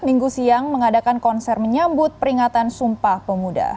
minggu siang mengadakan konser menyambut peringatan sumpah pemuda